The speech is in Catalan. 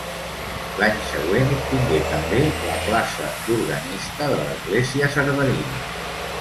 L'any següent obtingué també la plaça d'organista de l'església cerverina.